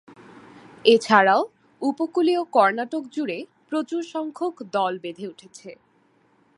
এছাড়াও উপকূলীয় কর্ণাটক জুড়ে প্রচুর সংখ্যক দল বেঁধে উঠেছে।